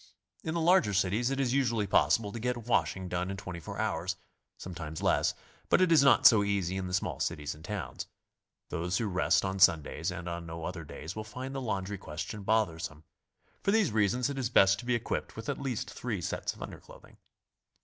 In the larger cities it is usually possible to get washing done in 24 hours, sometimes less, but it is not so easy in the small cities and towns. Those who rest on Sundays and on no other days will find the laundry question bothersome. For these reasons it is best to be equipped with at least three sets of underclothing.